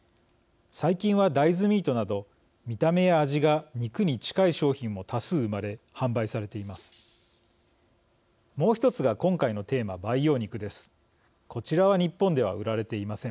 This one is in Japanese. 最近は大豆ミートなど見た目や味が肉に近い商品も多数生まれ販売されています。